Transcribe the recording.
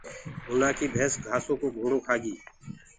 اُنآ ڪي ڀينس گھآسو ڪو گھوڙو کآگي۔